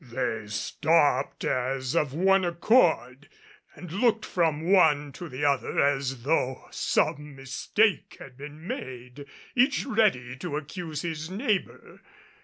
They stopped as of one accord, and looked from one to the other as though some mistake had been made, each ready to accuse his neighbor.